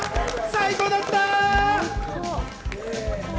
最高だった！